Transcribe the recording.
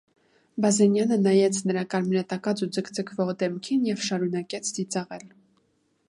Բազենյանը նայեց նրա կարմրատակած ու ձգձգվող դեմքին և շարունակեց ծիծաղել: